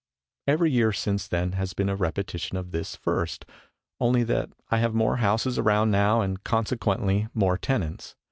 Every year since then has been a repetition of this first, only that I have more houses around now and consequently more tenants.